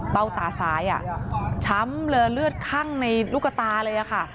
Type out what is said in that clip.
ตาซ้ายช้ำเลยเลือดคั่งในลูกตาเลยค่ะ